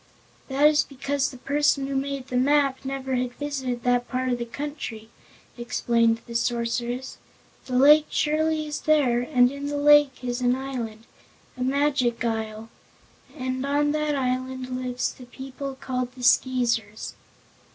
"That is because the person who made the map never had visited that part of the country," explained the Sorceress. "The lake surely is there, and in the lake is an island a Magic Isle and on that island live the people called the Skeezers."